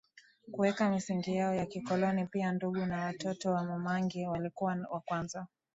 kuweka misingi yao ya kikoloni Pia ndugu na watoto wa Mamangi walikuwa wa kwanza